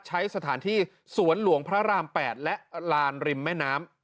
ใช้สถานที่สวนหลวงพระราม๘และลานริมแม่น้ำ